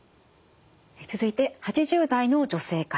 続いて８０代の女性から。